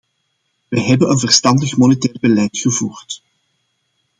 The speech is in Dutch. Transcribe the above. Wij hebben een verstandig monetair beleid gevoerd.